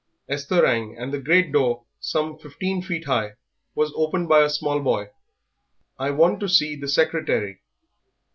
Esther rang, and the great door, some fifteen feet high, was opened by a small boy. "I want to see the secretary."